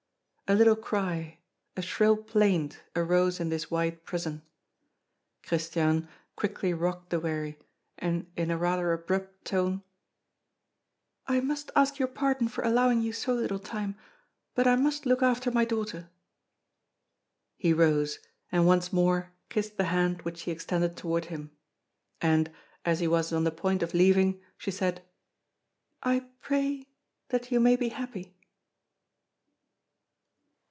A little cry, a shrill plaint arose in this white prison. Christiane quickly rocked the wherry, and in a rather abrupt tone: "I must ask your pardon for allowing you so little time; but I must look after my daughter." He rose, and once more kissed the hand which she extended toward him; and, as he was on the point of leaving, she said: "I pray that you may be happy."